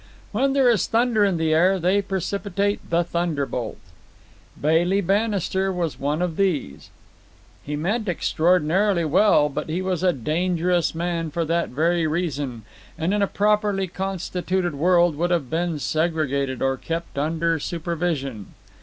When there is thunder in the air they precipitate the thunderbolt. Bailey Bannister was one of these. He meant extraordinarily well, but he was a dangerous man for that very reason, and in a properly constituted world would have been segregated or kept under supervision.